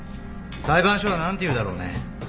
裁判所は何て言うだろうね。